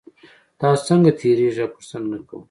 تاسو څنګه تیریږئ او پوښتنه نه کوئ